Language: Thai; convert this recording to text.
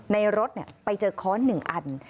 ในรถไปเจอค้อน๑อัน